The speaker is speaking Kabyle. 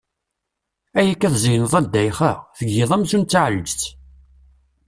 Ayakka tzeyneḍ a Ddayxa, tgiḍ amzun d taɛelǧet!